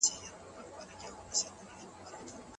کرنه د انسانانو لومړنی مسلک و.